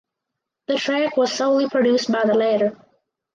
The track was solely produced by the latter.